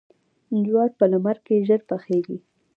جوار په لمر کې ژر پخیږي.